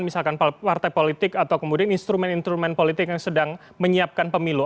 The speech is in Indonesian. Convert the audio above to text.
misalkan partai politik atau kemudian instrumen instrumen politik yang sedang menyiapkan pemilu